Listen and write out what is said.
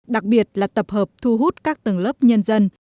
đặc biệt là tập hợp thu hút các tầng lớp nhân dân